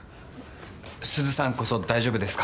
鈴さんこそ大丈夫ですか？